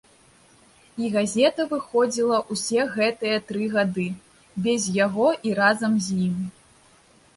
І газета выходзіла ўсе гэтыя тры гады, без яго і разам з ім.